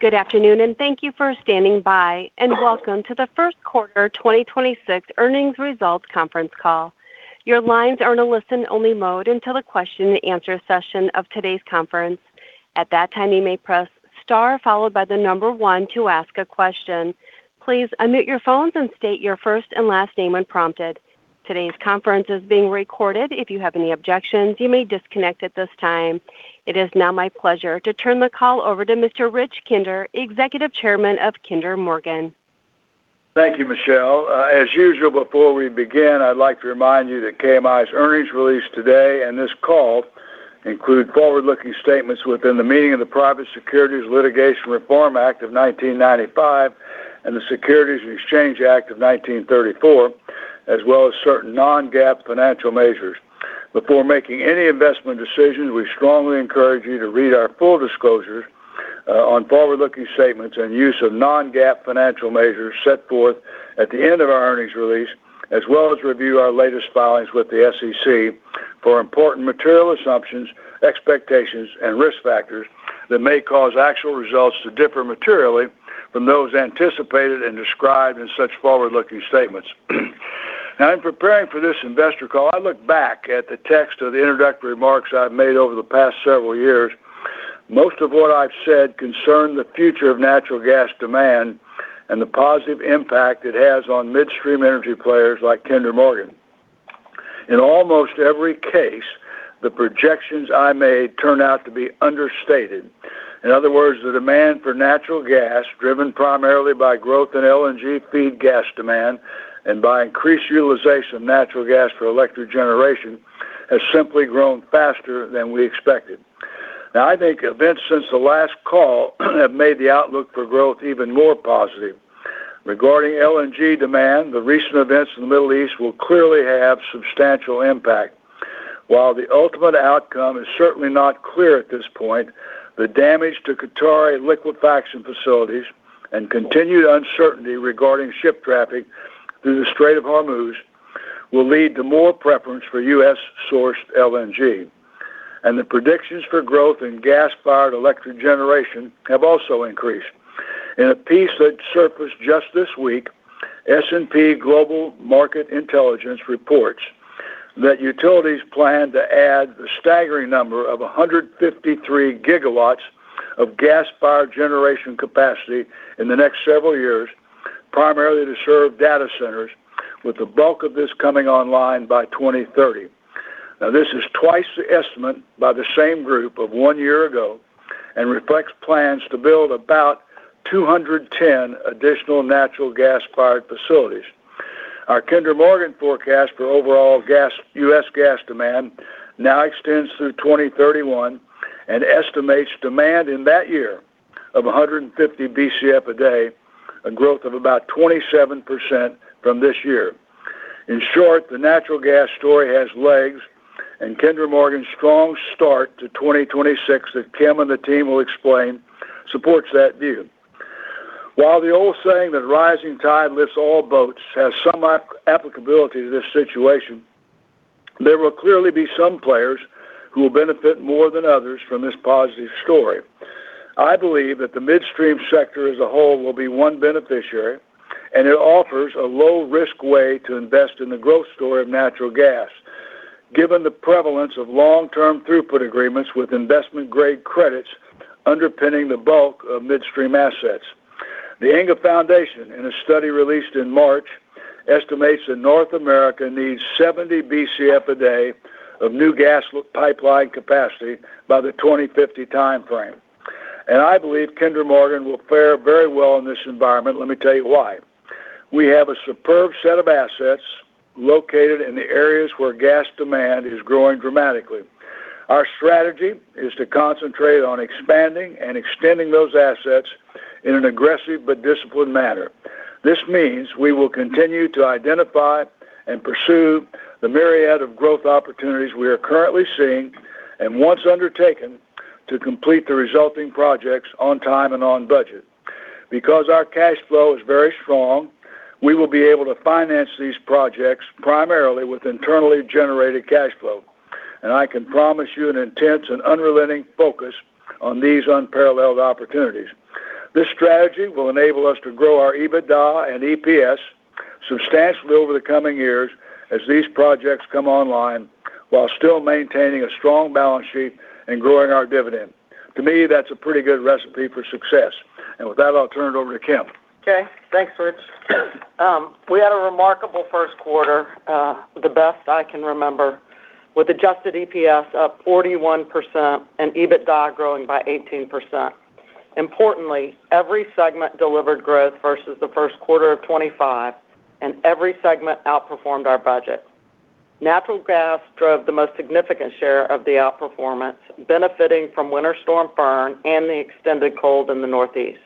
Good afternoon, and thank you for standing by, and welcome to the first quarter 2026 earnings results conference call. Your lines are in a listen-only mode until the question and answer session of today's conference. At that time, you may press star followed by the number one to ask a question. Please unmute your phones and state your first and last name when prompted. Today's conference is being recorded. If you have any objections, you may disconnect at this time. It is now my pleasure to turn the call over to Mr. Rich Kinder, Executive Chairman of Kinder Morgan. Thank you, Michelle. As usual, before we begin, I'd like to remind you that KMI's earnings release today and this call include forward-looking statements within the meaning of the Private Securities Litigation Reform Act of 1995 and the Securities Exchange Act of 1934, as well as certain non-GAAP financial measures. Before making any investment decisions, we strongly encourage you to read our full disclosures on forward-looking statements and use of non-GAAP financial measures set forth at the end of our earnings release, as well as review our latest filings with the SEC for important material assumptions, expectations, and risk factors that may cause actual results to differ materially from those anticipated and described in such forward-looking statements. Now, in preparing for this investor call, I look back at the text of the introductory remarks I've made over the past several years. Most of what I've said concerned the future of natural gas demand and the positive impact it has on midstream energy players like Kinder Morgan. In almost every case, the projections I made turn out to be understated. In other words, the demand for natural gas, driven primarily by growth in LNG feed gas demand and by increased utilization of natural gas for electric generation, has simply grown faster than we expected. Now, I think events since the last call have made the outlook for growth even more positive. Regarding LNG demand, the recent events in the Middle East will clearly have substantial impact. While the ultimate outcome is certainly not clear at this point, the damage to Qatari liquefaction facilities and continued uncertainty regarding ship traffic through the Strait of Hormuz will lead to more preference for US-sourced LNG. The predictions for growth in gas-fired electric generation have also increased. In a piece that surfaced just this week, S&P Global Market Intelligence reports that utilities plan to add the staggering number of 153 GW of gas-fired generation capacity in the next several years, primarily to serve data centers, with the bulk of this coming online by 2030. Now, this is twice the estimate by the same group of one year ago and reflects plans to build about 210 additional natural gas-fired facilities. Our Kinder Morgan forecast for overall U.S. gas demand now extends through 2031 and estimates demand in that year of 150 BCF a day, a growth of about 27% from this year. In short, the natural gas story has legs, and Kinder Morgan's strong start to 2026 that Kim and the team will explain supports that view. While the old saying that rising tide lifts all boats has some applicability to this situation, there will clearly be some players who will benefit more than others from this positive story. I believe that the midstream sector as a whole will be one beneficiary, and it offers a low-risk way to invest in the growth story of natural gas, given the prevalence of long-term throughput agreements with investment-grade credits underpinning the bulk of midstream assets. The INGAA Foundation, in a study released in March, estimates that North America needs 70 BCF a day of new gas pipeline capacity by the 2050 timeframe. I believe Kinder Morgan will fare very well in this environment. Let me tell you why. We have a superb set of assets located in the areas where gas demand is growing dramatically. Our strategy is to concentrate on expanding and extending those assets in an aggressive but disciplined manner. This means we will continue to identify and pursue the myriad of growth opportunities we are currently seeing, and once undertaken, to complete the resulting projects on time and on budget. Because our cash flow is very strong, we will be able to finance these projects primarily with internally generated cash flow. I can promise you an intense and unrelenting focus on these unparalleled opportunities. This strategy will enable us to grow our EBITDA and EPS substantially over the coming years as these projects come online while still maintaining a strong balance sheet and growing our dividend. To me, that's a pretty good recipe for success. With that, I'll turn it over to Kim. Okay. Thanks, Rich. We had a remarkable first quarter, the best I can remember, with adjusted EPS up 41% and EBITDA growing by 18%. Importantly, every segment delivered growth versus the first quarter of 2025, and every segment outperformed our budget. Natural gas drove the most significant share of the outperformance, benefiting from Winter Storm Fern and the extended cold in the Northeast.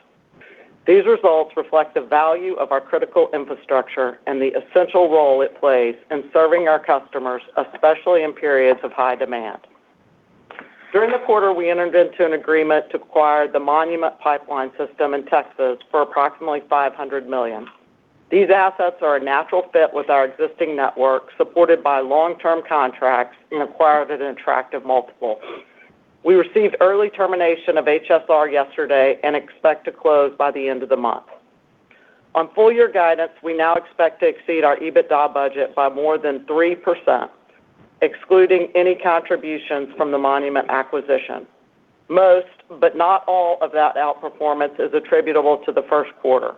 These results reflect the value of our critical infrastructure and the essential role it plays in serving our customers, especially in periods of high demand. During the quarter, we entered into an agreement to acquire the Monument Pipeline System in Texas for approximately $500 million. These assets are a natural fit with our existing network, supported by long-term contracts and acquired at an attractive multiple. We received early termination of HSR yesterday and expect to close by the end of the month. On full year guidance, we now expect to exceed our EBITDA budget by more than 3%, excluding any contributions from the Monument acquisition. Most, but not all of that outperformance is attributable to the first quarter.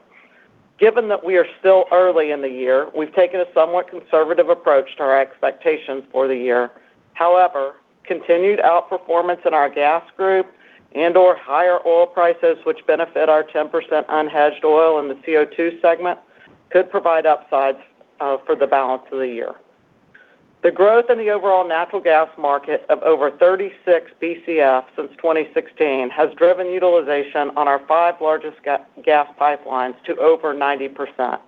Given that we are still early in the year, we've taken a somewhat conservative approach to our expectations for the year. However, continued outperformance in our gas group and/or higher oil prices, which benefit our 10% unhedged oil in the CO2 segment, could provide upsides for the balance of the year. The growth in the overall natural gas market of over 36 BCF since 2016 has driven utilization on our five largest gas pipelines to over 90%.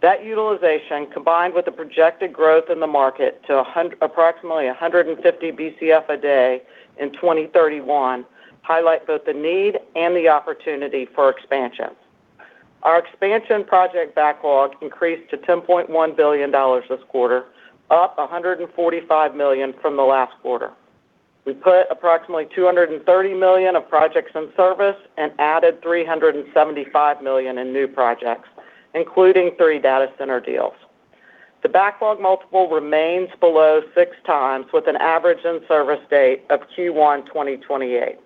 That utilization, combined with the projected growth in the market to approximately 150 BCF a day in 2031, highlight both the need and the opportunity for expansion. Our expansion project backlog increased to $10.1 billion this quarter, up $145 million from the last quarter. We put approximately $230 million of projects in service and added $375 million in new projects, including three data center deals. The backlog multiple remains below 6x, with an average in-service date of Q1 2028.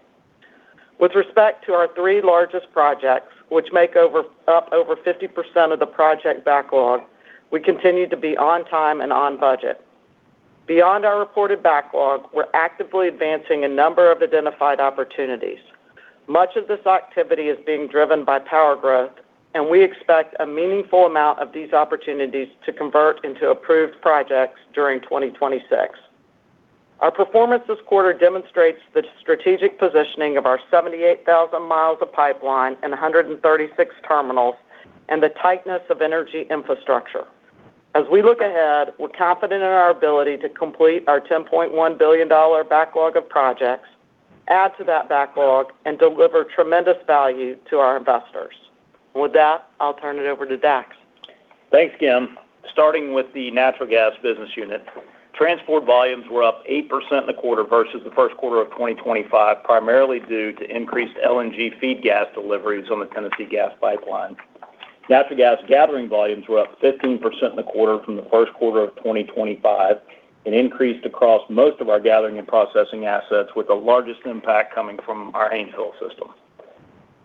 With respect to our three largest projects, which make up over 50% of the project backlog, we continue to be on time and on budget. Beyond our reported backlog, we're actively advancing a number of identified opportunities. Much of this activity is being driven by power growth, and we expect a meaningful amount of these opportunities to convert into approved projects during 2026. Our performance this quarter demonstrates the strategic positioning of our 78,000 miles of pipeline and 136 terminals and the tightness of energy infrastructure. As we look ahead, we're confident in our ability to complete our $10.1 billion backlog of projects, add to that backlog, and deliver tremendous value to our investors. With that, I'll turn it over to Dax. Thanks, Kim. Starting with the natural gas business unit, transport volumes were up 8% in the quarter versus the first quarter of 2025, primarily due to increased LNG feed gas deliveries on the Tennessee Gas Pipeline. Natural gas gathering volumes were up 15% in the quarter from the first quarter of 2025 and increased across most of our gathering and processing assets, with the largest impact coming from our Haynesville system.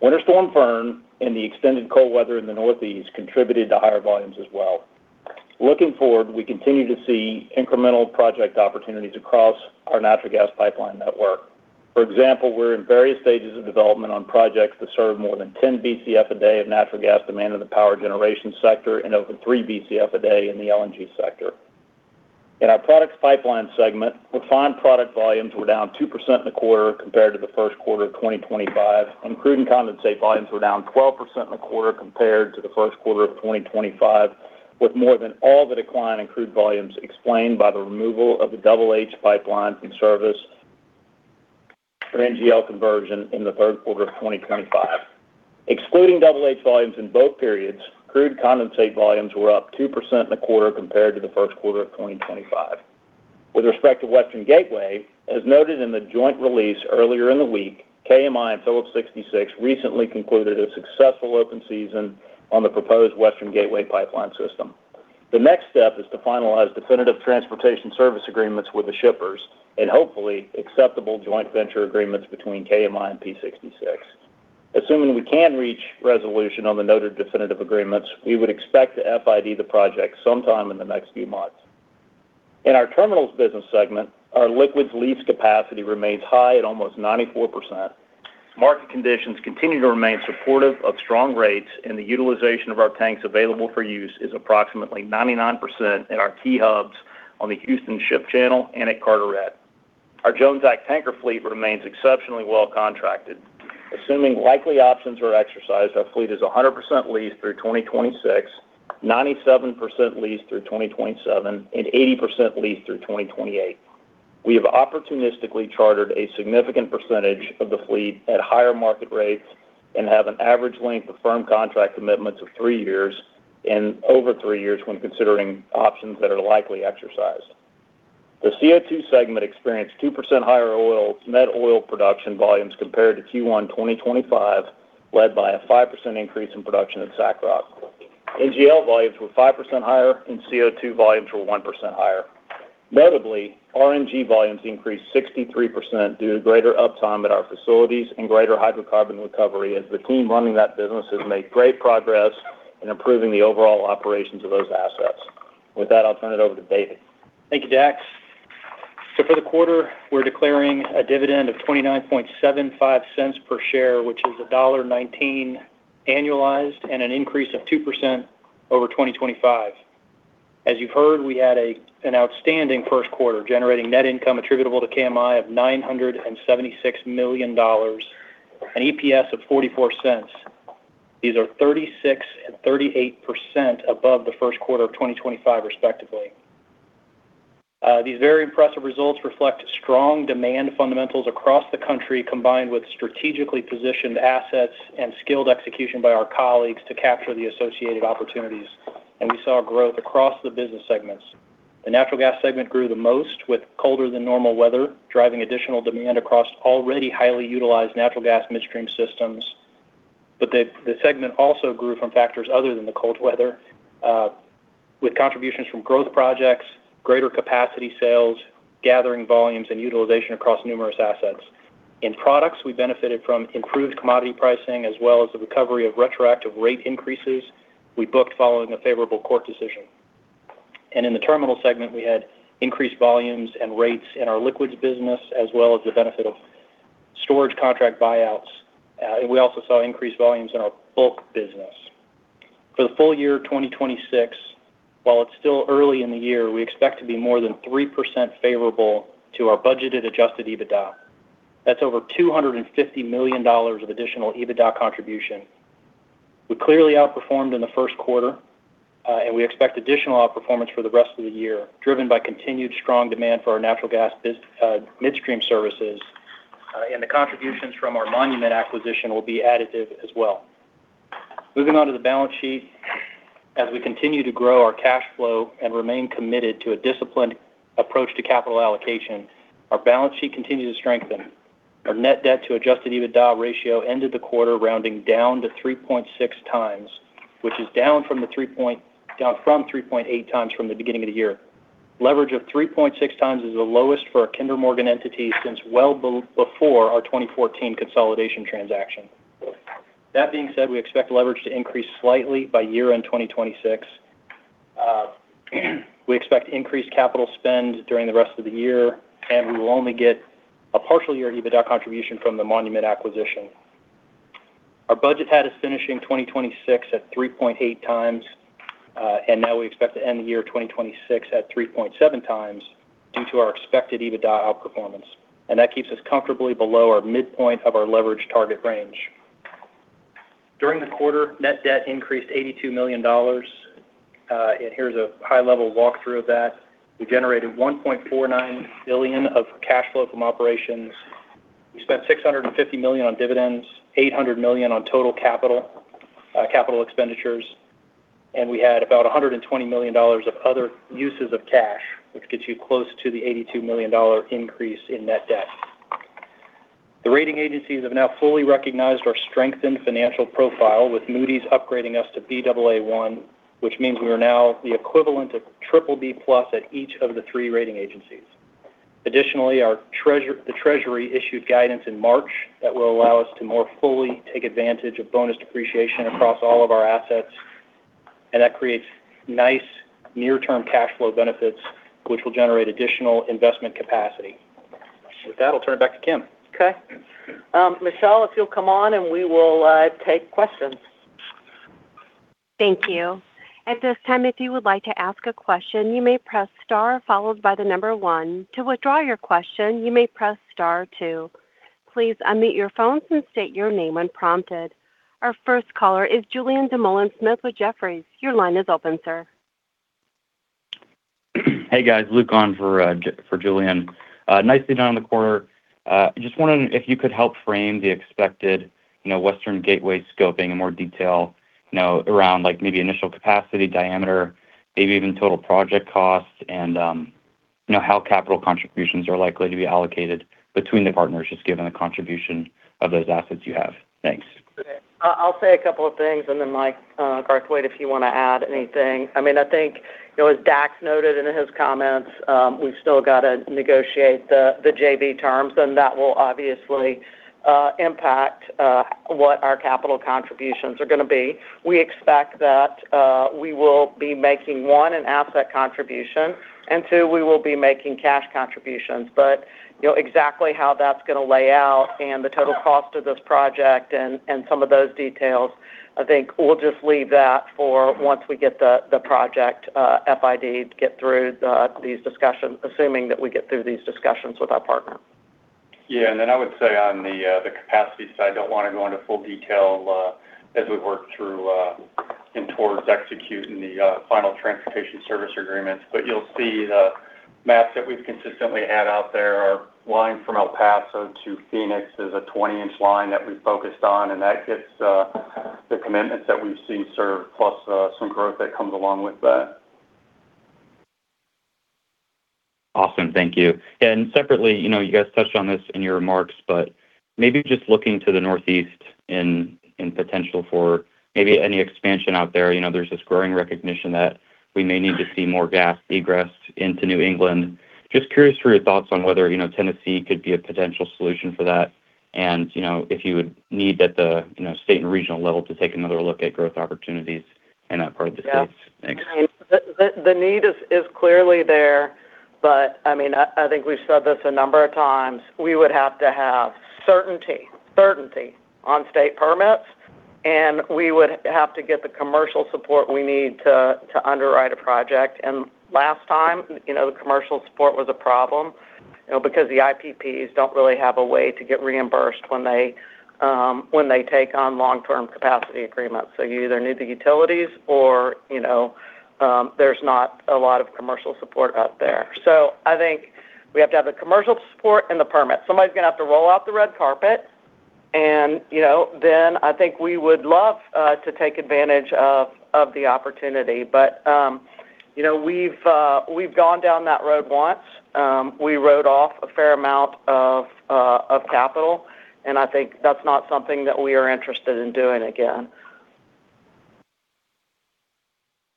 Winter Storm Fern and the extended cold weather in the Northeast contributed to higher volumes as well. Looking forward, we continue to see incremental project opportunities across our natural gas pipeline network. For example, we're in various stages of development on projects that serve more than 10 BCF a day of natural gas demand in the power generation sector and over 3 BCF a day in the LNG sector. In our products pipeline segment, refined product volumes were down 2% in the quarter compared to the first quarter of 2025, and crude and condensate volumes were down 12% in the quarter compared to the first quarter of 2025, with more than all the decline in crude volumes explained by the removal of the Double H Pipeline from service for NGL conversion in the third quarter of 2025. Excluding Double H Pipeline volumes in both periods, crude and condensate volumes were up 2% in the quarter compared to the first quarter of 2025. With respect to Western Gateway Pipeline, as noted in the joint release earlier in the week, KMI and Phillips 66 recently concluded a successful open season on the proposed Western Gateway Pipeline system. The next step is to finalize definitive transportation service agreements with the shippers and hopefully acceptable joint venture agreements between KMI and P66. Assuming we can reach resolution on the noted definitive agreements, we would expect to FID the project sometime in the next few months. In our terminals business segment, our liquids lease capacity remains high at almost 94%. Market conditions continue to remain supportive of strong rates, and the utilization of our tanks available for use is approximately 99% in our key hubs on the Houston Ship Channel and at Carteret. Our Jones Act tanker fleet remains exceptionally well contracted. Assuming likely options are exercised, our fleet is 100% leased through 2026, 97% leased through 2027, and 80% leased through 2028. We have opportunistically chartered a significant percentage of the fleet at higher market rates and have an average length of firm contract commitments of three years and over three years when considering options that are likely exercised. The CO2 segment experienced 2% higher net oil production volumes compared to Q1 2025, led by a 5% increase in production at Sacroc. NGL volumes were 5% higher, and CO2 volumes were 1% higher. Notably, RNG volumes increased 63% due to greater uptime at our facilities and greater hydrocarbon recovery as the team running that business has made great progress in improving the overall operations of those assets. With that, I'll turn it over to David. Thank you, Dax. For the quarter, we're declaring a dividend of $0.2975 per share, which is $1.19 annualized and an increase of 2% over 2025. As you've heard, we had an outstanding first quarter generating net income attributable to KMI of $976 million, an EPS of $0.44. These are 36% and 38% above the first quarter of 2025, respectively. These very impressive results reflect strong demand fundamentals across the country, combined with strategically positioned assets and skilled execution by our colleagues to capture the associated opportunities. We saw growth across the business segments. The natural gas segment grew the most with colder than normal weather, driving additional demand across already highly utilized natural gas midstream systems. The segment also grew from factors other than the cold weather, with contributions from growth projects, greater capacity sales, gathering volumes, and utilization across numerous assets. In products, we benefited from improved commodity pricing as well as the recovery of retroactive rate increases we booked following a favorable court decision. In the terminal segment, we had increased volumes and rates in our liquids business, as well as the benefit of storage contract buyouts. We also saw increased volumes in our bulk business. For the full year 2026, while it's still early in the year, we expect to be more than 3% favorable to our budgeted adjusted EBITDA. That's over $250 million of additional EBITDA contribution. We clearly outperformed in the first quarter, and we expect additional outperformance for the rest of the year, driven by continued strong demand for our natural gas midstream services. The contributions from our Monument acquisition will be additive as well. Moving on to the balance sheet, as we continue to grow our cash flow and remain committed to a disciplined approach to capital allocation, our balance sheet continued to strengthen. Our net debt to adjusted EBITDA ratio ended the quarter rounding down to 3.6x, which is down from 3.8x from the beginning of the year. Leverage of 3.6x is the lowest for a Kinder Morgan entity since well before our 2014 consolidation transaction. That being said, we expect leverage to increase slightly by year-end 2026. We expect increased capital spend during the rest of the year, and we will only get a partial year EBITDA contribution from the Monument acquisition. Our budget had us finishing 2026 at 3.8x, and now we expect to end the year 2026 at 3.7x due to our expected EBITDA outperformance. That keeps us comfortably below our midpoint of our leverage target range. During the quarter, net debt increased $82 million. Here's a high-level walkthrough of that. We generated $1.49 billion of cash flow from operations. We spent $650 million on dividends, $800 million on total capital expenditures, and we had about $120 million of other uses of cash, which gets you close to the $82 million increase in net debt. The rating agencies have now fully recognized our strengthened financial profile, with Moody's upgrading us to Baa1, which means we are now the equivalent of BBB+ at each of the three rating agencies. Additionally, the Treasury issued guidance in March that will allow us to more fully take advantage of bonus depreciation across all of our assets, and that creates nice near-term cash flow benefits, which will generate additional investment capacity. With that, I'll turn it back to Kim. Okay. Michelle, if you'll come on, and we will take questions. Thank you. At this time, if you would like to ask a question, you may press star followed by the number one. To withdraw your question, you may press star two. Please unmute your phones and state your name when prompted. Our first caller is Julien Dumoulin-Smith with Jefferies. Your line is open, sir. Hey, guys, Luke on for Julien. Nicely done on the quarter. Just wondering if you could help frame the expected Western Gateway scoping in more detail, around maybe initial capacity, diameter, maybe even total project costs, and how capital contributions are likely to be allocated between the partners, just given the contribution of those assets you have. Thanks. Okay. I'll say a couple of things, and then Michael Garthwaite, if you want to add anything. I think, as Dax noted in his comments, we've still got to negotiate the JV terms, and that will obviously impact what our capital contributions are going to be. We expect that we will be making, one, an asset contribution, and two, we will be making cash contributions. But exactly how that's going to lay out and the total cost of this project and some of those details, I think we'll just leave that for once we get the project FID to get through these discussions, assuming that we get through these discussions with our partner. Yeah. I would say on the capacity side, don't want to go into full detail as we work through and towards executing the final transportation service agreements. You'll see the maps that we've consistently had out there. Our line from El Paso to Phoenix is a 20-inch line that we focused on, and that gets the commitments that we've seen served, plus some growth that comes along with that. Awesome. Thank you. Separately, you guys touched on this in your remarks, but maybe just looking to the Northeast and potential for maybe any expansion out there. There's this growing recognition that we may need to see more gas egress into New England. Just curious for your thoughts on whether Tennessee could be a potential solution for that, and if you would need at the state and regional level to take another look at growth opportunities in that part of the state. Thanks. Yeah. The need is clearly there, but I think we've said this a number of times, we would have to have certainty on state permits, and we would have to get the commercial support we need to underwrite a project. Last time, the commercial support was a problem. Because the IPPs don't really have a way to get reimbursed when they take on long-term capacity agreements. You either need the utilities or there's not a lot of commercial support out there. I think we have to have the commercial support and the permit. Somebody's going to have to roll out the red carpet and then I think we would love to take advantage of the opportunity. We've gone down that road once. We wrote off a fair amount of capital, and I think that's not something that we are interested in doing again.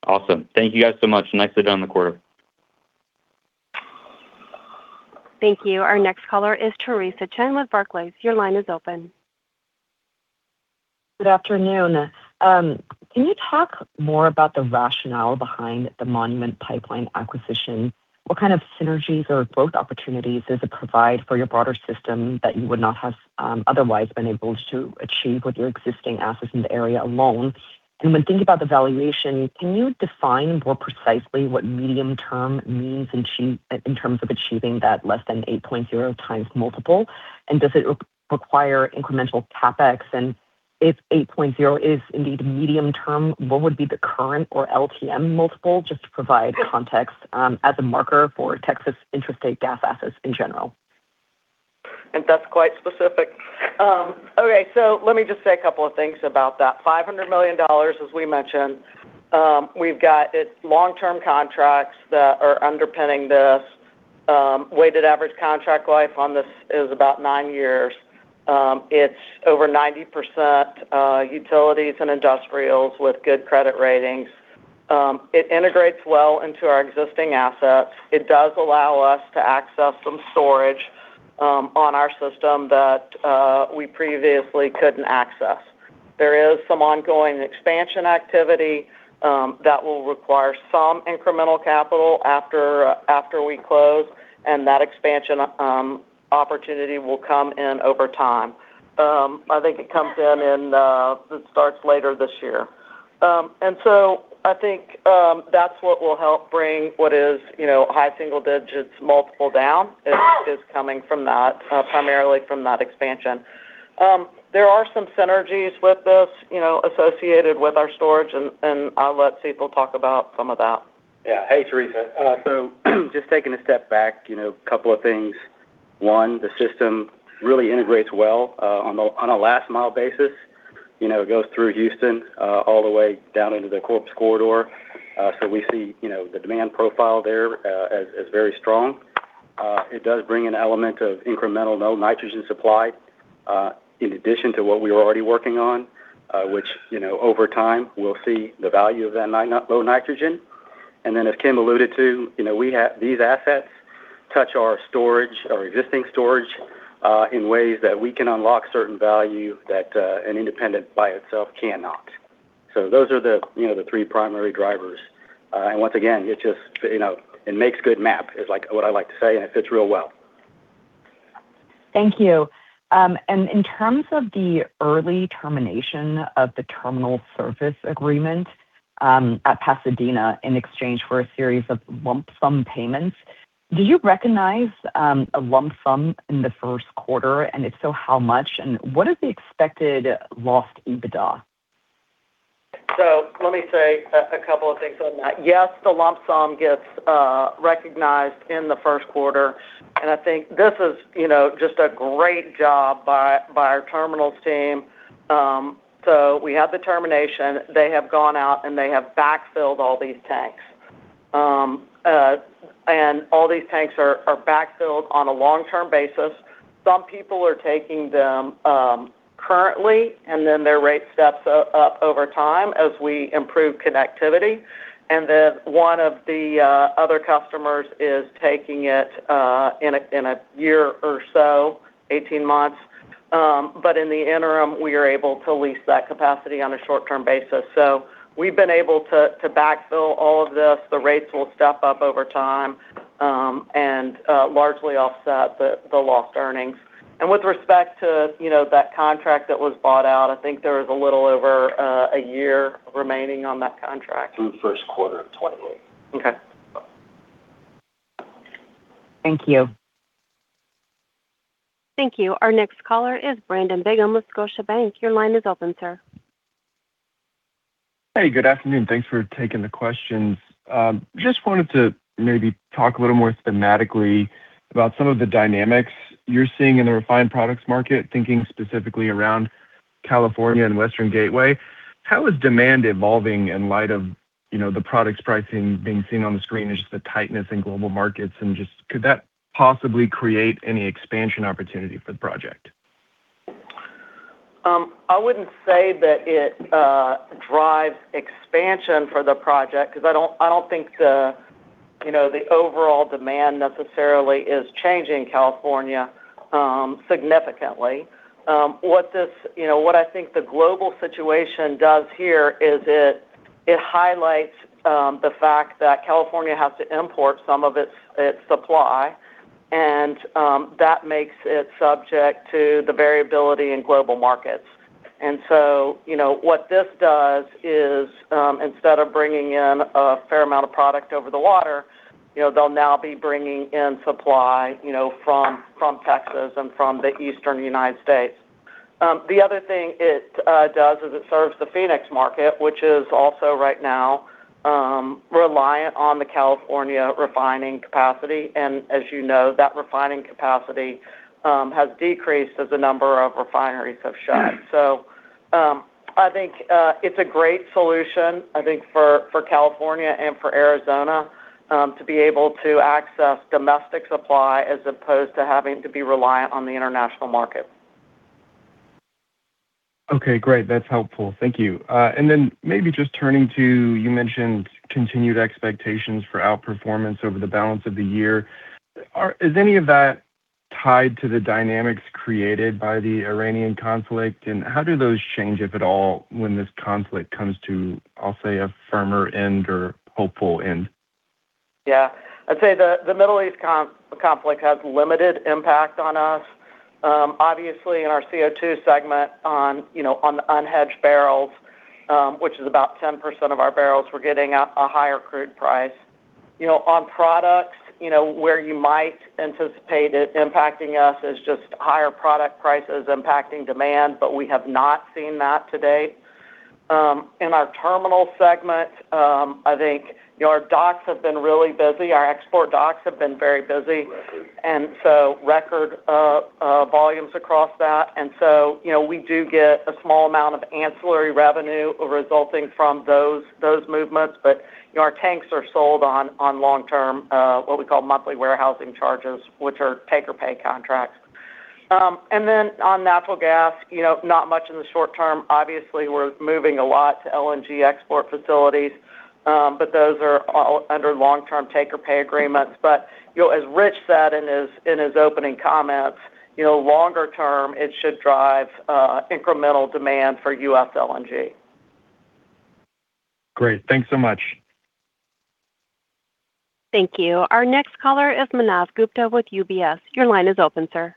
Awesome. Thank you guys so much. Nicely done in the quarter. Thank you. Our next caller is Theresa Chen with Barclays. Your line is open. Good afternoon. Can you talk more about the rationale behind the Monument Pipeline acquisition? What kind of synergies or growth opportunities does it provide for your broader system that you would not have otherwise been able to achieve with your existing assets in the area alone? And when thinking about the valuation, can you define more precisely what medium term means in terms of achieving that less than 8.0x multiple? And does it require incremental CapEx? And if 8.0x is indeed medium term, what would be the current or LTM multiple, just to provide context as a marker for Texas intrastate gas assets in general? That's quite specific. Okay. Let me just say a couple of things about that. $500 million, as we mentioned. We've got its long-term contracts that are underpinning this. Weighted average contract life on this is about nine years. It's over 90% utilities and industrials with good credit ratings. It integrates well into our existing assets. It does allow us to access some storage on our system that we previously couldn't access. There is some ongoing expansion activity that will require some incremental capital after we close, and that expansion opportunity will come in over time. I think it comes in and it starts later this year. I think that's what will help bring what is high single digits multiple down. It is coming from that, primarily from that expansion. There are some synergies with this, associated with our storage, and I'll let Sital talk about some of that. Yeah. Hey, Teresa. Just taking a step back, couple of things. One, the system really integrates well on a last mile basis. It goes through Houston all the way down into the Corpus corridor. We see the demand profile there as very strong. It does bring an element of incremental low nitrogen supply in addition to what we were already working on, which over time, we'll see the value of that low nitrogen. Then as Kim alluded to, these assets touch our storage, our existing storage, in ways that we can unlock certain value that an independent by itself cannot. Those are the three primary drivers. Once again, it makes a good map, is what I like to say, and it fits real well. Thank you. In terms of the early termination of the terminal service agreement at Pasadena in exchange for a series of lump sum payments, do you recognize a lump sum in the first quarter? If so, how much? What is the expected lost EBITDA? Let me say a couple of things on that. Yes, the lump sum gets recognized in the first quarter, and I think this is just a great job by our terminals team. We have the termination. They have gone out and they have backfilled all these tanks. All these tanks are backfilled on a long-term basis. Some people are taking them currently, and then their rate steps up over time as we improve connectivity. One of the other customers is taking it in a year or so, 18 months. In the interim, we are able to lease that capacity on a short-term basis. We've been able to backfill all of this. The rates will step up over time and largely offset the lost earnings. With respect to that contract that was bought out, I think there is a little over a year remaining on that contract. Through first quarter of 2028. Okay. Thank you. Thank you. Our next caller is Brandon Bingham with Scotiabank. Your line is open, sir. Hey, good afternoon. Thanks for taking the questions. Just wanted to maybe talk a little more thematically about some of the dynamics you're seeing in the refined products market, thinking specifically around California and Western Gateway. How is demand evolving in light of the products pricing being seen on the screen as just the tightness in global markets, and just could that possibly create any expansion opportunity for the project? I wouldn't say that it drives expansion for the project because I don't think the overall demand necessarily is changing in California significantly. What I think the global situation does here is it highlights the fact that California has to import some of its supply, and that makes it subject to the variability in global markets. What this does is, instead of bringing in a fair amount of product over the water, they'll now be bringing in supply from Texas and from the Eastern United States. The other thing it does is it serves the Phoenix market, which is also right now reliant on the California refining capacity. As you know, that refining capacity has decreased as the number of refineries have shut. I think it's a great solution, I think, for California and for Arizona to be able to access domestic supply as opposed to having to be reliant on the international market. Okay, great. That's helpful. Thank you. Maybe just turning to, you mentioned continued expectations for outperformance over the balance of the year. Is any of that tied to the dynamics created by the Iranian conflict? How do those change, if at all, when this conflict comes to, I'll say, a firmer end or hopeful end? Yeah. I'd say the Middle East conflict has limited impact on us. Obviously, in our CO2 Segment on the unhedged barrels, which is about 10% of our barrels, we're getting a higher crude price. On products, where you might anticipate it impacting us is just higher product prices impacting demand, but we have not seen that to date. In our Terminal Segment, I think our docks have been really busy. Our export docks have been very busy. Record. Record volumes across that. We do get a small amount of ancillary revenue resulting from those movements. Our tanks are sold on long-term, what we call monthly warehousing charges, which are take or pay contracts. Then on natural gas, not much in the short term. Obviously, we're moving a lot to LNG export facilities, but those are all under long-term take or pay agreements. As Rich said in his opening comments, longer term, it should drive incremental demand for US LNG. Great. Thanks so much. Thank you. Our next caller is Manav Gupta with UBS. Your line is open, sir.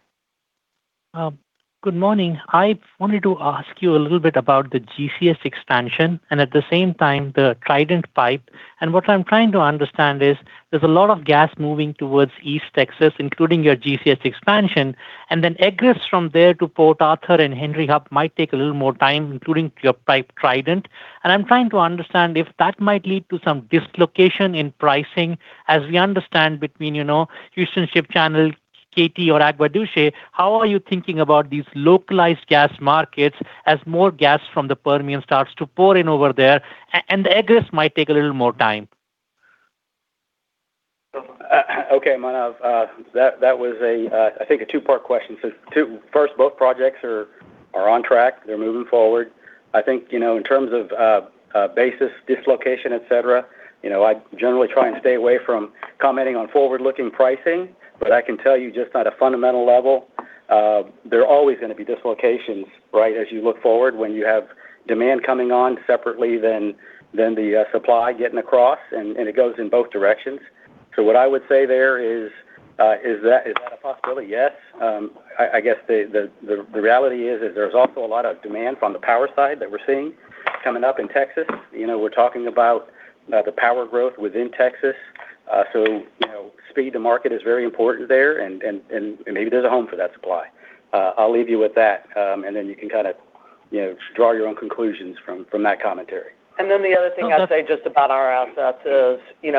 Good morning. I wanted to ask you a little bit about the GCS expansion and at the same time, the Trident pipe. What I'm trying to understand is there's a lot of gas moving towards East Texas, including your GCS expansion, and then egress from there to Port Arthur and Henry Hub might take a little more time, including your Trident pipe. I'm trying to understand if that might lead to some dislocation in pricing. As we understand between Houston Ship Channel, Katy, or Agua Dulce, how are you thinking about these localized gas markets as more gas from the Permian starts to pour in over there? The egress might take a little more time. Okay, Manav. That was, I think, a two-part question. Two, first, both projects are on track. They're moving forward. I think, in terms of basis dislocation, et cetera, I generally try and stay away from commenting on forward-looking pricing. I can tell you just at a fundamental level, there are always going to be dislocations, right, as you look forward when you have demand coming on separately than the supply getting across, and it goes in both directions. What I would say there is that a possibility? Yes. I guess the reality is there's also a lot of demand from the power side that we're seeing coming up in Texas. We're talking about the power growth within Texas. Speed to market is very important there, and maybe there's a home for that supply. I'll leave you with that, and then you can kind of draw your own conclusions from that commentary. The other thing I'll say just about our assets is we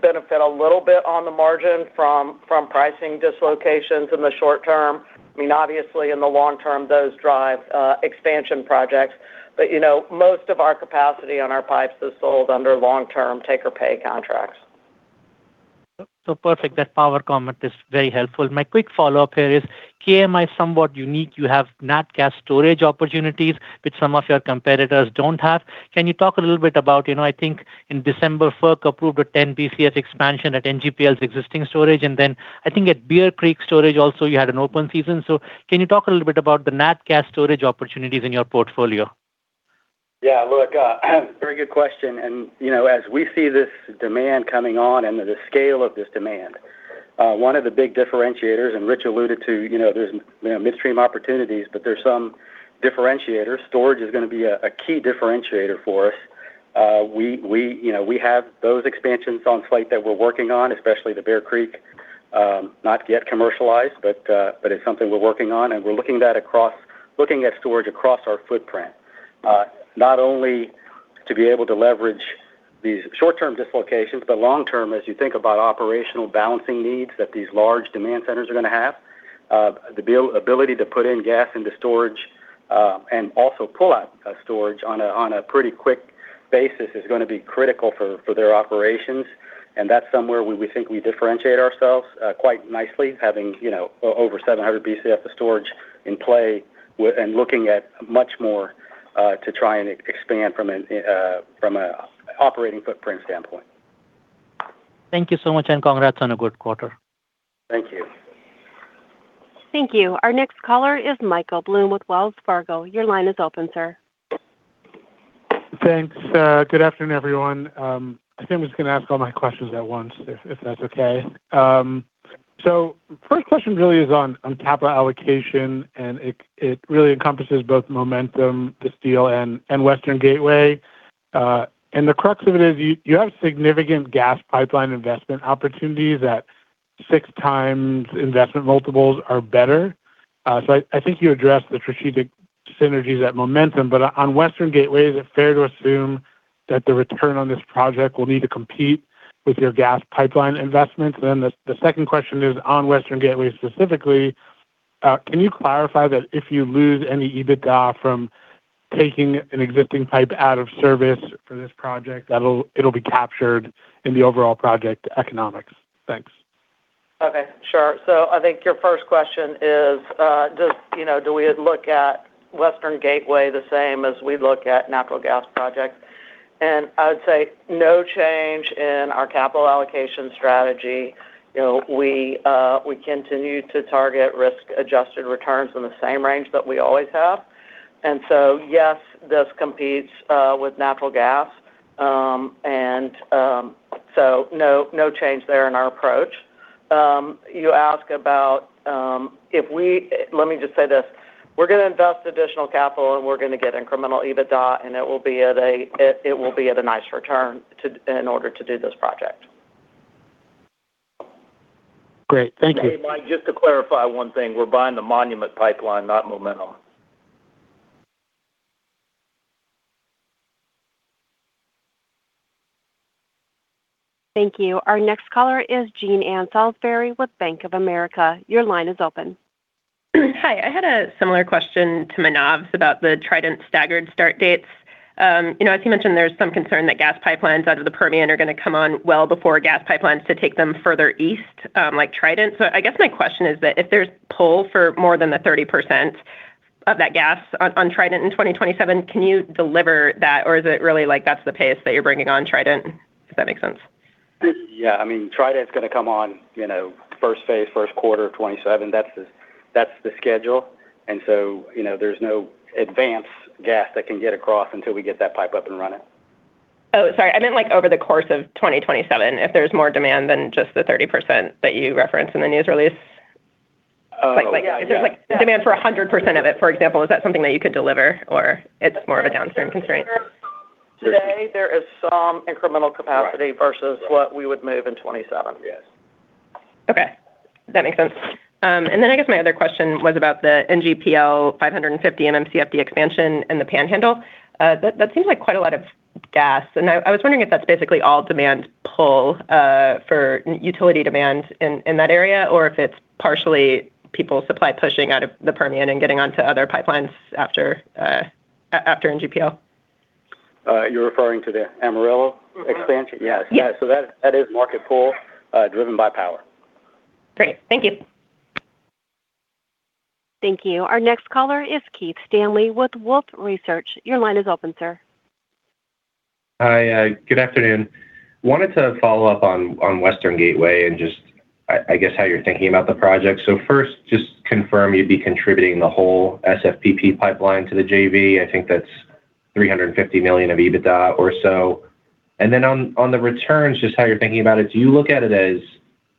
benefit a little bit on the margin from pricing dislocations in the short term. I mean, obviously, in the long term, those drive expansion projects. Most of our capacity on our pipes is sold under long-term take or pay contracts. Perfect. That power comment is very helpful. My quick follow-up here is KMI is somewhat unique. You have Nat gas storage opportunities, which some of your competitors don't have. Can you talk a little bit about, I think in December, FERC approved a 10 BCF expansion at NGPL's existing storage, and then I think at Bear Creek Storage also, you had an open season. Can you talk a little bit about the Nat gas storage opportunities in your portfolio? Yeah, look, very good question. As we see this demand coming on and the scale of this demand, one of the big differentiators, and Rich alluded to, there's midstream opportunities, but there's some differentiators. Storage is going to be a key differentiator for us. We have those expansions on site that we're working on, especially the Bear Creek, not yet commercialized, but it's something we're working on, and we're looking at storage across our footprint. Not only to be able to leverage these short-term dislocations, but long-term, as you think about operational balancing needs that these large demand centers are going to have. The ability to put in gas into storage, and also pull out of storage on a pretty quick basis is going to be critical for their operations. That's somewhere where we think we differentiate ourselves quite nicely, having over 700 BCF of storage in play and looking at much more to try and expand from an operating footprint standpoint. Thank you so much, and congrats on a good quarter. Thank you. Thank you. Our next caller is Michael Jacob Blum with Wells Fargo. Your line is open, sir. Thanks. Good afternoon, everyone. I think I'm just going to ask all my questions at once, if that's okay. The first question really is on capital allocation, and it really encompasses both Monument, the sale, and Western Gateway. The crux of it is you have significant gas pipeline investment opportunities at 6x investment multiples or better. I think you addressed the strategic synergies at Monument, but on Western Gateway, is it fair to assume that the return on this project will need to compete with your gas pipeline investments? The second question is on Western Gateway specifically. Can you clarify that if you lose any EBITDA from taking an existing pipe out of service for this project, it'll be captured in the overall project economics? Thanks. Okay, sure. I think your first question is do we look at Western Gateway the same as we look at natural gas projects? I would say no change in our capital allocation strategy. We continue to target risk-adjusted returns in the same range that we always have. Yes, this competes with natural gas, and no change there in our approach. You ask about. Let me just say this, we're going to invest additional capital, and we're going to get incremental EBITDA, and it will be at a nice return in order to do this project. Great. Thank you. Hey, Michael, just to clarify one thing. We're buying the Monument Pipeline, not Momentum. Thank you. Our next caller is Jean Ann Salisbury with Bank of America. Your line is open. Hi. I had a similar question to Manav's about the Trident staggered start dates. As you mentioned, there's some concern that gas pipelines out of the Permian are going to come on well before gas pipelines to take them further east, like Trident. I guess my question is that if there's pull for more than the 30% of that gas on Trident in 2027, can you deliver that, or is it really like that's the pace that you're bringing on Trident? Does that make sense? Yeah. Trident's going to come on first phase, first quarter of 2027. That's the schedule. There's no advance gas that can get across until we get that pipe up and running. Oh, sorry. I meant like over the course of 2027, if there's more demand than just the 30% that you referenced in the news release. Oh, got you. Yeah. Like if there's demand for 100% of it, for example, is that something that you could deliver, or it's more of a downstream constraint? Today, there is some incremental capacity. Right versus what we would move in 2027. Yes. Okay. That makes sense. I guess my other question was about the NGPL 550 MMcf expansion in the Panhandle. That seems like quite a lot of gas, and I was wondering if that's basically all demand pull for utility demand in that area, or if it's partially pipeline supply pushing out of the Permian and getting onto other pipelines after NGPL. You're referring to the Amarillo Expansion? Yeah. Yes. That is market pull driven by power. Great. Thank you. Thank you. Our next caller is Keith Stanley with Wolfe Research. Your line is open, sir. Hi. Good afternoon. I wanted to follow up on Western Gateway Pipeline and just, I guess, how you're thinking about the project. First, just confirm you'd be contributing the whole SFPP pipeline to the JV. I think that's $350 million of EBITDA or so. On the returns, just how you're thinking about it, do you look at it as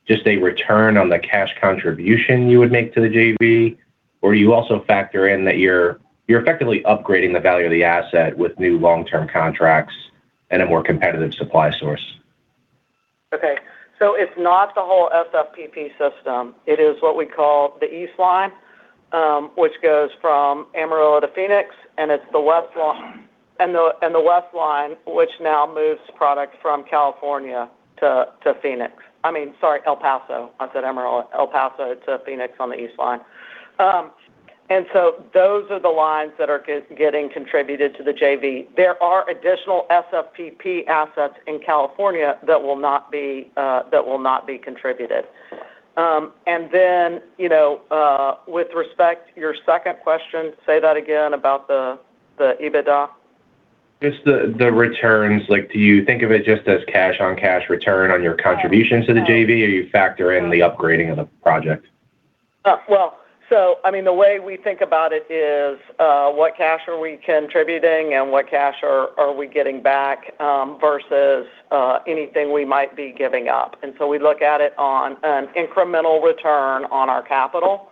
just a return on the cash contribution you would make to the JV? Or you also factor in that you're effectively upgrading the value of the asset with new long-term contracts and a more competitive supply source? Okay. It's not the whole SFPP system. It is what we call the east line, which goes from Amarillo to Phoenix, and it's the west line. The West Line. The west line, which now moves product from California to Phoenix. I mean, sorry, El Paso. I said Amarillo. El Paso to Phoenix on the east line. Those are the lines that are getting contributed to the JV. There are additional SFPP assets in California that will not be contributed. With respect to your second question, say that again about the EBITDA. Just the returns, do you think of it just as cash-on-cash return on your contribution to the JV, or you factor in the upgrading of the project? Well, the way we think about it is what cash are we contributing and what cash are we getting back versus anything we might be giving up. We look at it on an incremental return on our capital,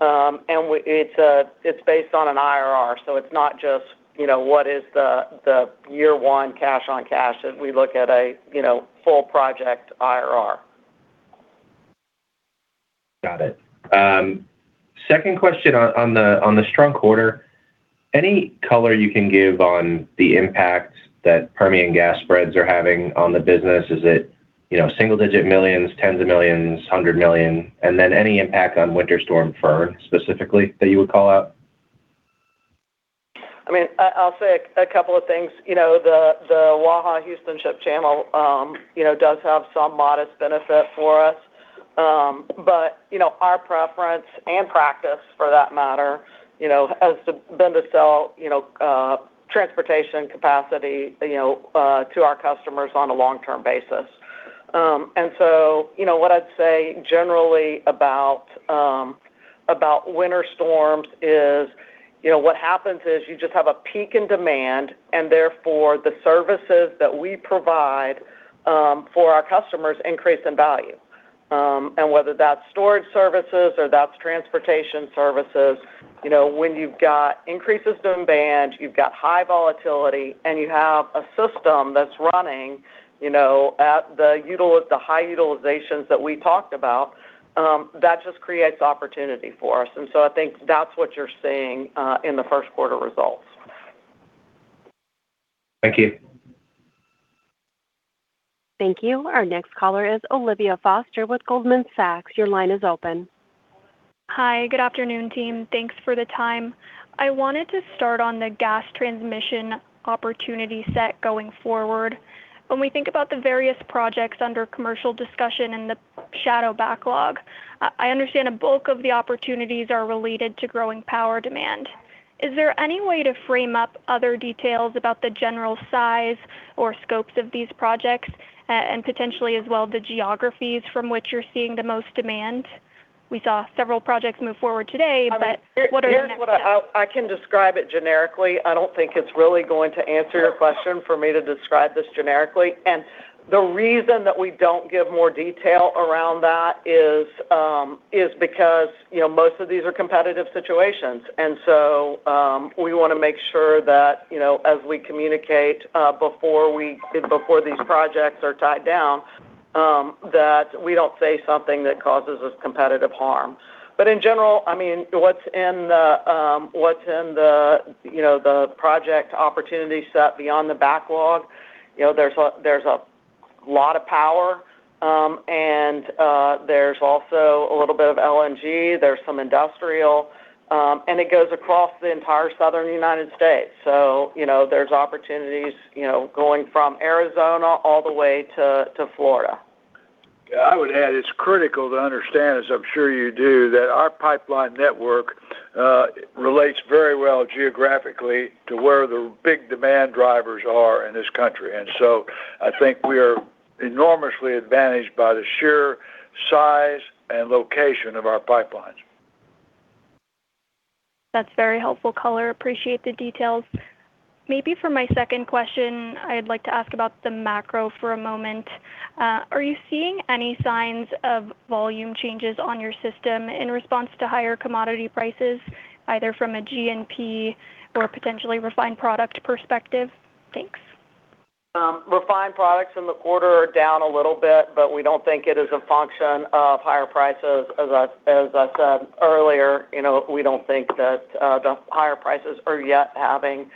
and it's based on an IRR, so it's not just what is the year one cash on cash. We look at a full project IRR. Got it. Second question on the strong quarter, any color you can give on the impact that Permian gas spreads are having on the business? Is it single-digit millions, tens of millions, $100 million? Then any impact on Winter Storm Fern, specifically, that you would call out? I'll say a couple of things. The Waha Houston Ship Channel does have some modest benefit for us. Our preference and practice, for that matter, has been to sell transportation capacity to our customers on a long-term basis. What I'd say generally about winter storms is what happens is you just have a peak in demand, and therefore the services that we provide for our customers increase in value. Whether that's storage services or that's transportation services, when you've got increases in demand, you've got high volatility, and you have a system that's running at the high utilizations that we talked about, that just creates opportunity for us. I think that's what you're seeing in the first quarter results. Thank you. Thank you. Our next caller is Olivia Foster with Goldman Sachs. Your line is open. Hi, good afternoon, team. Thanks for the time. I wanted to start on the gas transmission opportunity set going forward. When we think about the various projects under commercial discussion and the shadow backlog, I understand a bulk of the opportunities are related to growing power demand. Is there any way to frame up other details about the general size or scopes of these projects, and potentially as well the geographies from which you're seeing the most demand? We saw several projects move forward today, but what are the next steps? I can describe it generically. I don't think it's really going to answer your question for me to describe this generically. The reason that we don't give more detail around that is because most of these are competitive situations, and so we want to make sure that as we communicate before these projects are tied down, that we don't say something that causes us competitive harm. In general, what's in the project opportunity set beyond the backlog, there's a lot of power, and there's also a little bit of LNG, there's some industrial, and it goes across the entire Southern United States. There's opportunities going from Arizona all the way to Florida. Yeah, I would add it's critical to understand, as I'm sure you do, that our pipeline network relates very well geographically to where the big demand drivers are in this country. I think we are enormously advantaged by the sheer size and location of our pipelines. That's very helpful color. Appreciate the details. Maybe for my second question, I'd like to ask about the macro for a moment. Are you seeing any signs of volume changes on your system in response to higher commodity prices, either from a G&P or a potentially refined product perspective? Thanks. Refined products in the quarter are down a little bit, but we don't think it is a function of higher prices. As I said earlier, we don't think that the higher prices are yet having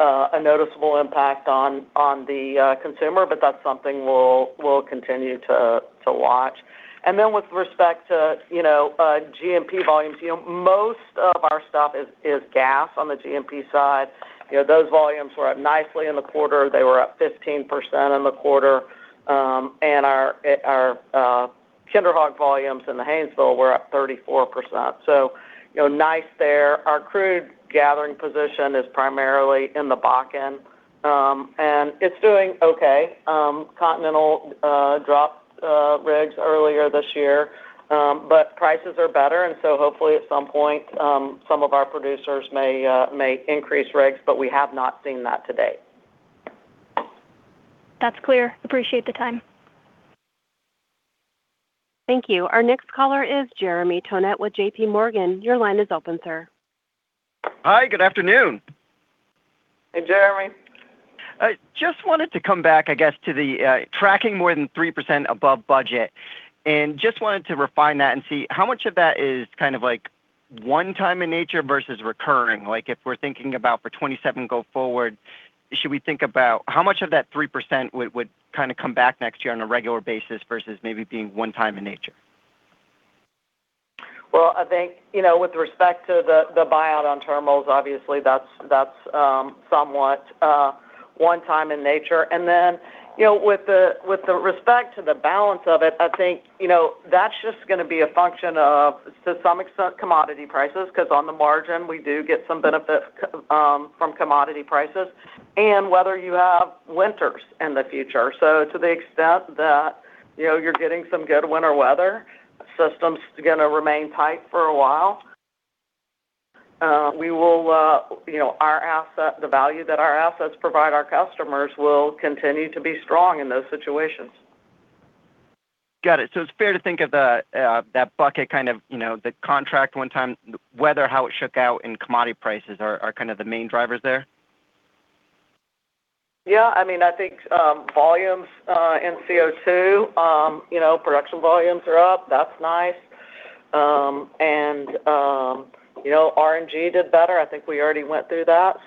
a noticeable impact on the consumer, but that's something we'll continue to watch. With respect to G&P volumes, most of our stuff is gas on the G&P side. Those volumes were up nicely in the quarter. They were up 15% in the quarter. Our KinderHawk volumes in the Haynesville were up 34%. Nice there. Our crude gathering position is primarily in the Bakken, and it's doing okay. Continental dropped rigs earlier this year, but prices are better, and so hopefully at some point, some of our producers may increase rigs, but we have not seen that to date. That's clear. Appreciate the time. Thank you. Our next caller is Jeremy Tonet with JPMorgan. Your line is open, sir. Hi, good afternoon. Hey, Jeremy. I just wanted to come back, I guess, to the tracking more than 3% above budget, and just wanted to refine that and see how much of that is kind of one time in nature versus recurring. If we're thinking about for 2027 go forward, should we think about how much of that 3% would kind of come back next year on a regular basis versus maybe being one time in nature? Well, I think, with respect to the buyout on terminals, obviously that's somewhat one-time in nature. With respect to the balance of it, I think, that's just going to be a function of, to some extent, commodity prices, because on the margin, we do get some benefit from commodity prices and whether you have winters in the future. To the extent that you're getting some good winter weather, system's going to remain tight for a while. The value that our assets provide our customers will continue to be strong in those situations. Got it. It's fair to think of that bucket kind of the contract one time, whether or how it shook out in commodity prices are kind of the main drivers there? Yeah, I think volumes in CO2, production volumes are up. That's nice. RNG did better. I think we already went through that.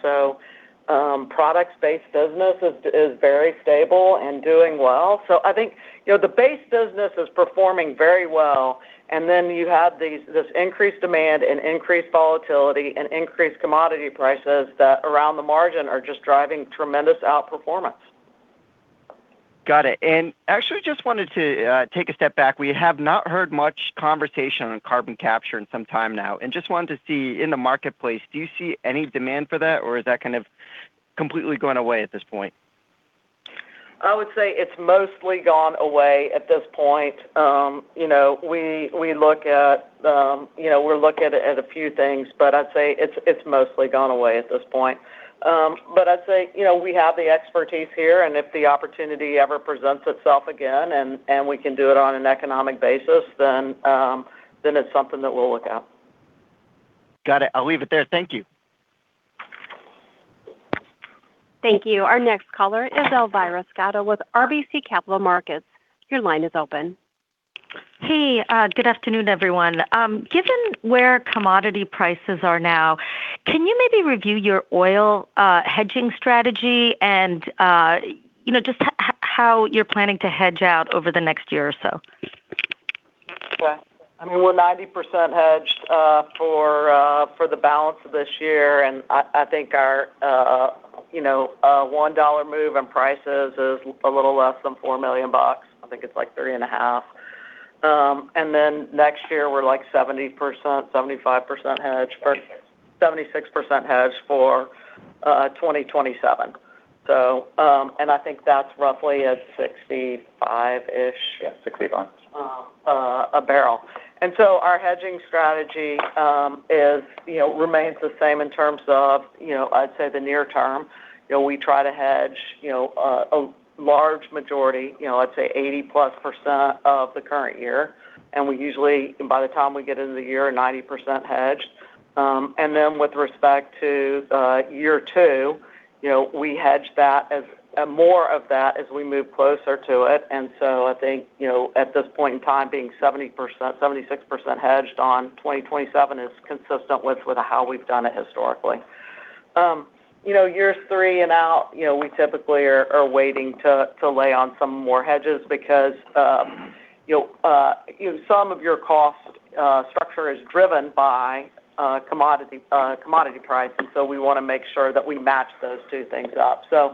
Products-based business is very stable and doing well. I think the base business is performing very well, and then you have this increased demand and increased volatility and increased commodity prices that around the margin are just driving tremendous outperformance. Got it. Actually, just wanted to take a step back. We have not heard much conversation on carbon capture in some time now, and just wanted to see in the marketplace, do you see any demand for that, or is that kind of? completely gone away at this point? I would say it's mostly gone away at this point. We're looking at a few things, but I'd say it's mostly gone away at this point. I'd say, we have the expertise here, and if the opportunity ever presents itself again, and we can do it on an economic basis, then it's something that we'll look at. Got it. I'll leave it there. Thank you. Thank you. Our next caller is Elvira Scotto with RBC Capital Markets. Your line is open. Hey. Good afternoon, everyone. Given where commodity prices are now, can you maybe review your oil hedging strategy and just how you're planning to hedge out over the next year or so? Sure. I mean, we're 90% hedged for the balance of this year, and I think our $1 move in prices is a little less than $4 million. I think it's like 3.5. Then next year we're like 70%-75% hedged. 76. 76% hedged for 2027. I think that's roughly at 65-ish- Yeah, 65. a barrel. Our hedging strategy remains the same in terms of, I'd say the near term. We try to hedge a large majority, let's say 80+% of the current year, and we usually, by the time we get into the year, are 90% hedged. With respect to year two, we hedge that as more of that as we move closer to it. I think, at this point in time, being 70%, 76% hedged on 2027 is consistent with how we've done it historically. Years three and out, we typically are waiting to lay on some more hedges because some of your cost structure is driven by commodity prices. We want to make sure that we match those two things up. It's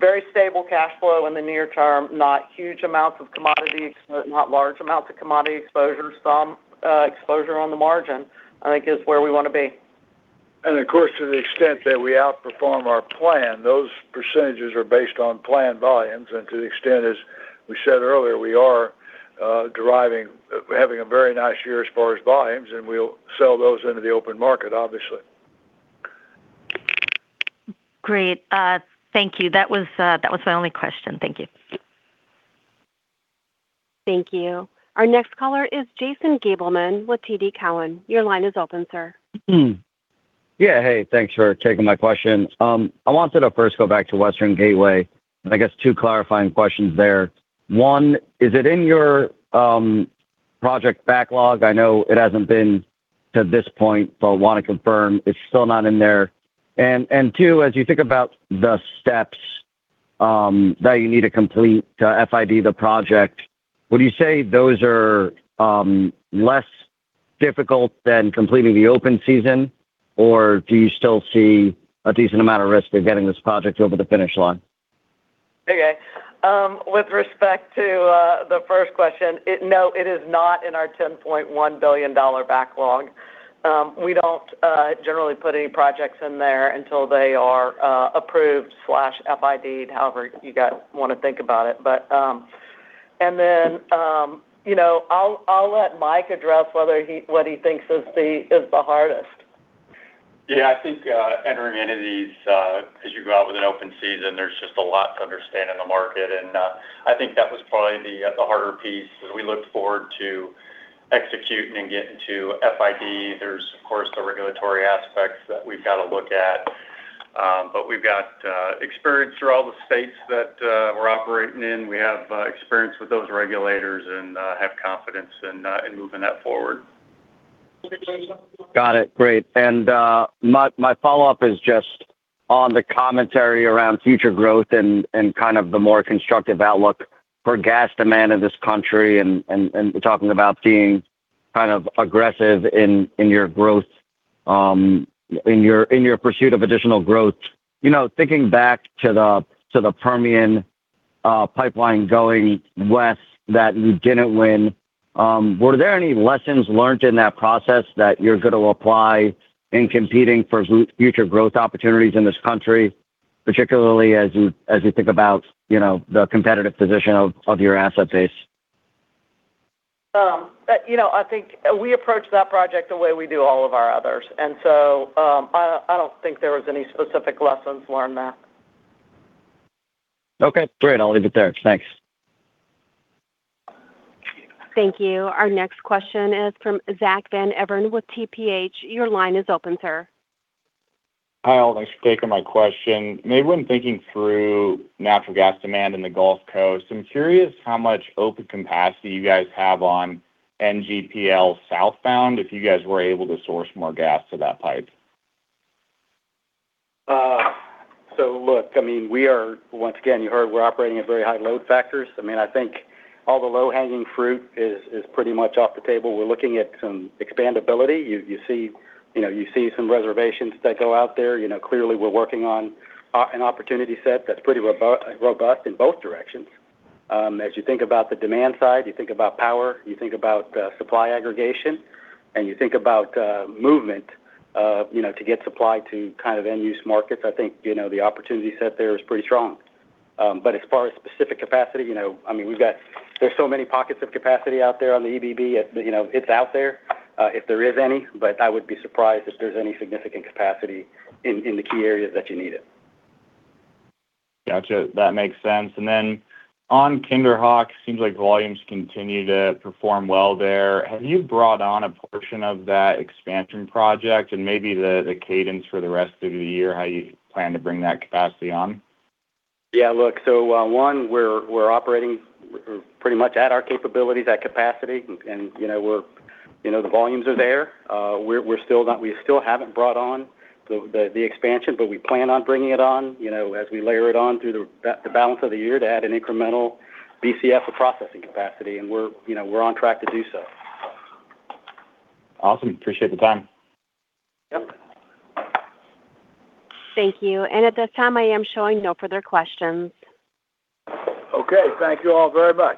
very stable cash flow in the near term, not huge amounts of commodities, not large amounts of commodity exposure. Some exposure on the margin, I think is where we want to be. Of course, to the extent that we outperform our plan, those percentages are based on planned volumes. To the extent, as we said earlier, we are deriving, having a very nice year as far as volumes, and we'll sell those into the open market, obviously. Great. Thank you. That was my only question. Thank you. Thank you. Our next caller is Jason Gabelman with TD Cowen. Your line is open, sir. Yeah. Hey, thanks for taking my questions. I wanted to first go back to Western Gateway, I guess two clarifying questions there. One, is it in your project backlog? I know it hasn't been to this point, but I want to confirm it's still not in there. Two, as you think about the steps that you need to complete to FID the project, would you say those are less difficult than completing the open season, or do you still see a decent amount of risk of getting this project over the finish line? Okay. With respect to the first question, no, it is not in our $10.1 billion backlog. We don't generally put any projects in there until they are approved/FID, however you guys want to think about it. I'll let Michael address what he thinks is the hardest. Yeah, I think entering into these as you go out with an open season, there's just a lot to understand in the market. I think that was probably the harder piece. As we look forward to executing and getting to FID, there's of course the regulatory aspects that we've got to look at. We've got experience through all the states that we're operating in. We have experience with those regulators and have confidence in moving that forward. Got it. Great. My follow-up is just on the commentary around future growth and kind of the more constructive outlook for gas demand in this country and talking about being kind of aggressive in your pursuit of additional growth. Thinking back to the Permian pipeline going west that you didn't win, were there any lessons learned in that process that you're going to apply in competing for future growth opportunities in this country, particularly as you think about the competitive position of your asset base? I think we approach that project the way we do all of our others. I don't think there was any specific lessons learned there. Okay. Great. I'll leave it there. Thanks. Thank you. Our next question is from Zack Van Everen with TPH. Your line is open, sir. Hi all, thanks for taking my question. Maybe when thinking through natural gas demand in the Gulf Coast, I'm curious how much open capacity you guys have on NGPL southbound if you guys were able to source more gas to that pipe. Look, I mean, we are once again, you heard we're operating at very high load factors. I mean, I think all the low-hanging fruit is pretty much off the table. We're looking at some expandability. You see some reservations that go out there. Clearly we're working on an opportunity set that's pretty robust in both directions. As you think about the demand side, you think about power, you think about supply aggregation, and you think about movement to get supply to kind of end use markets. I think the opportunity set there is pretty strong. As far as specific capacity, I mean, there's so many pockets of capacity out there on the EBB, it's out there if there is any. I would be surprised if there's any significant capacity in the key areas that you need it. Gotcha. That makes sense. On KinderHawk, seems like volumes continue to perform well there. Have you brought on a portion of that expansion project and maybe the cadence for the rest of the year, how you plan to bring that capacity on? Yeah, look, so one, we're operating pretty much at our capabilities, at capacity. The volumes are there. We still haven't brought on the expansion, but we plan on bringing it on, as we layer it on through the balance of the year to add an incremental BCF of processing capacity. We're on track to do so. Awesome. I appreciate the time. Yep. Thank you. At this time, I am showing no further questions. Okay. Thank you all very much.